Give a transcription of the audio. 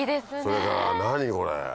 それから何これ。